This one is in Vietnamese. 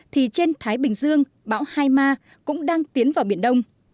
thì trên thái bình dương bão hai ma cũng đang tiến vào biển đông